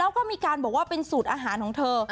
แล้วก็มีการบอกว่าเป็นสูตรอาหารของเธอ